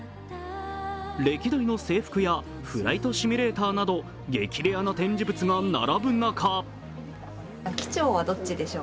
歴代の制服やフライトシミュレーターなど激レアな展示物が並ぶ中。